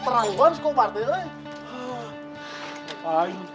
terang banget kobarnya